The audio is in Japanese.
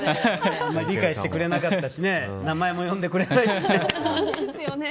理解してくれなかったし名前も呼んでくれないしね。